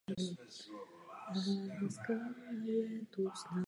Podle restaurátorské zprávy mohl být oltář poškozen při požáru.